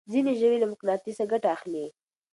ځينې ژوي له مقناطيسه ګټه اخلي.